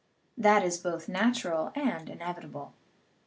That is both natural and inevitable.